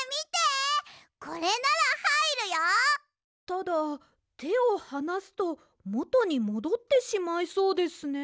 ただてをはなすともとにもどってしまいそうですね。